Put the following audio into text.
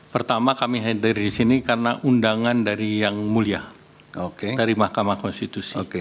pertama kami hadir di sini karena undangan dari yang mulia dari mahkamah konstitusi